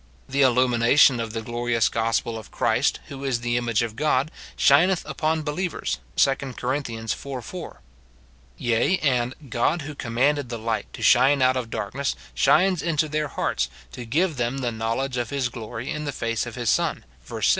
The illumination of ' the glorious gospel of Christ, who is the image of God,' shineth upon believers, 2 Cor. iv. 4 ; yea, and ' God, who commanded the light to shine out of darkness, shines into their hearts, to give them the knowledge of his glory in the face of his Son,* verse 6.